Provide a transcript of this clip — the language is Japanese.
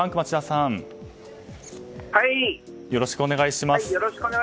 よろしくお願いします。